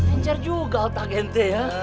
danger juga altagente ya